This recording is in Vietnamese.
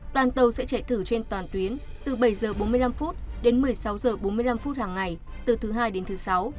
đoàn tàu sẽ chạy thử trên toàn tuyến từ bảy h bốn mươi năm đến một mươi sáu h bốn mươi năm hàng ngày từ thứ hai đến thứ sáu